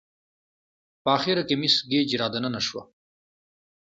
په اخره کې مس ګېج را دننه شوه.